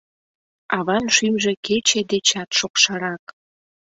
Аван шӱмжӧ кече дечат шокшырак.